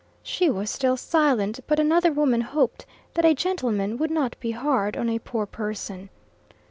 She was still silent, but another woman hoped that a gentleman would not be hard on a poor person.